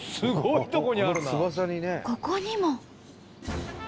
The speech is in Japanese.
ここにも。